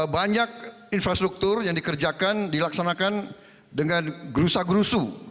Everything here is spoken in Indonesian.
banyak infrastruktur yang dikerjakan dilaksanakan dengan gerusa gerusu